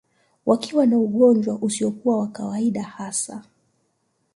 Wakiwa na ugonjwa usiokuwa wa kawaida hasa